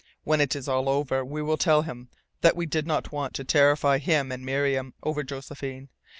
When it is all over we will tell him that we did not want to terrify him and Miriam over Josephine.